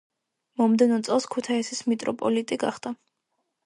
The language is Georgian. მომდევნო წელს ქუთაისის მიტროპოლიტი გახდა.